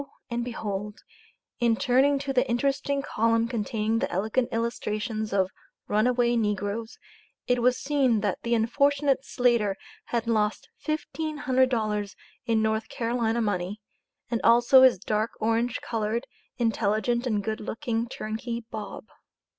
and behold, in turning to the interesting column containing the elegant illustrations of "runaway negroes," it was seen that the unfortunate Slater had "lost $1500 in North Carolina money, and also his dark orange colored, intelligent, and good looking turnkey, Bob."